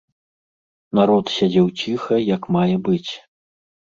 Народ сядзеў ціха, як мае быць.